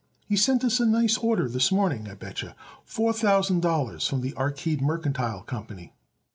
He sent us a nice order this morning, I bet yer. Four thousand dollars from the Arcade Mercantile Company."